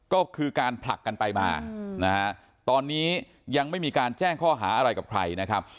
ก็คือการผลักกันไปมานะฮะตอนนี้ยังไม่มีการแจ้งข้อหาอะไรกับใครนะครับ